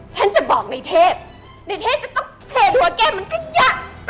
ฉันจะบอกในเทพในเทพจะต้องเฉดหัวแกมันกระยะ